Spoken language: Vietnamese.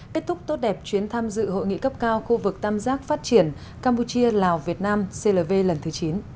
kết thúc tốt đẹp chuyến tham dự hội nghị cấp cao khu vực tam giác phát triển campuchia lào việt nam clv lần thứ chín